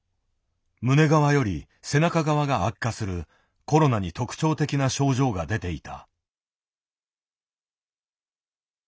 胸側より背中側が悪化するコロナに特徴的な症状が出ていた。